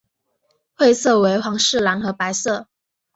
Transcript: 会色为皇室蓝和白色。